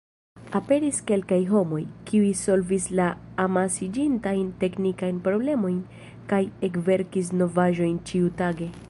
Aperis kelkaj homoj, kiuj solvis la amasiĝintajn teknikajn problemojn kaj ekverkis novaĵojn ĉiutage.